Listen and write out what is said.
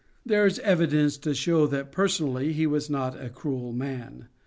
There is evidence to show that personally he was not a cruel man.